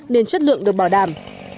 nên chất lượng được bảo đảm